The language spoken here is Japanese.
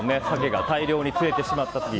鮭が大量に釣れてしまった時。